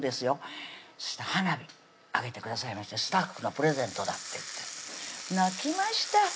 よそしたら花火上げてくださいましてスタッフのプレゼントだって泣きました